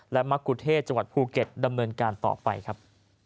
และมะกุเทศจังหวัดภูเก็ตดำเนินการต่อไปครับ